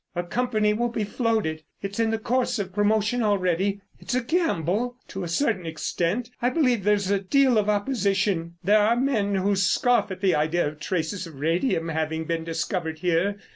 A company will be floated—it's in the course of promotion already. It's a gamble, to a certain extent. I believe there's a deal of opposition; there are men who scoff at the idea of traces of radium having been discovered here.